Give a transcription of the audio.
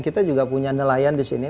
kita juga punya nelayan disini